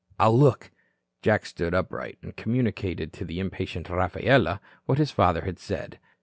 "I'll look." Jack stood upright, and communicated to the impatient Rafaela what his father had said.